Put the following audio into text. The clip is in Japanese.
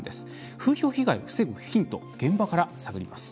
風評被害を防ぐヒント現場から探ります。